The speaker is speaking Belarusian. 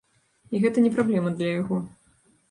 І гэта не праблема для яго.